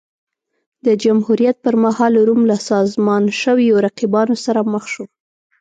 د جمهوریت پرمهال روم له سازمان شویو رقیبانو سره مخ شو